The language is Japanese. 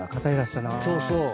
そうそう。